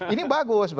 ini bagus berarti kritis